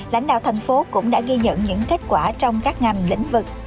lãnh đạo thành phố cũng đã ghi nhận những kết quả trong các ngành lĩnh vực